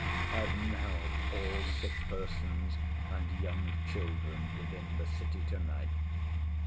Heaven help all sick persons and young children within the city to night!